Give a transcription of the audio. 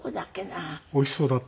おいしそうだったので。